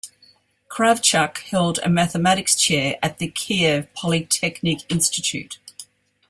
Kravchuk held a mathematics chair at the Kiev Polytechnic Institute.